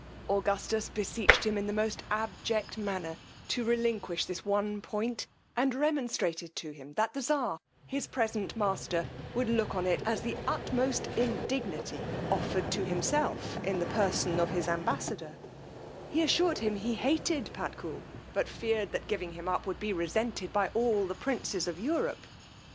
Augustus beseeched him in the most abject manner to relinquish this one point, and remonstrated to him that the czar, his present master, would look on it as the utmost indignity offered to himself in the person of his ambassador: he assured him he hated Patkul, but feared the giving him up would be resented by all the princes of Europe.